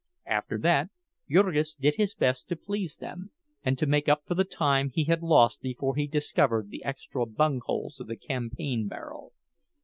After that Jurgis did his best to please them, and to make up for the time he had lost before he discovered the extra bungholes of the campaign barrel.